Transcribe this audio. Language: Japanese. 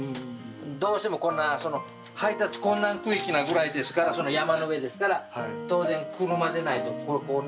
どうしてもこんな配達困難区域なぐらいですから山の上ですから当然車でないとここには来れませんからね。